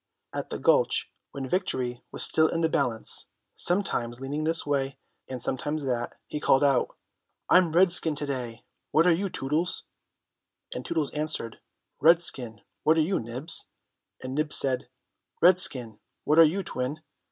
At the Gulch, when victory was still in the balance, sometimes leaning this way and sometimes that, he called out, "I'm redskin to day; what are you, Tootles?" And Tootles answered, "Redskin; what are you, Nibs?" and Nibs said, "Redskin; what are you Twin?"